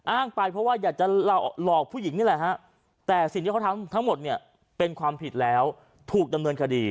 อ้างไปเพราะว่าอยากจะหลอกผู้หญิงนี่แหละ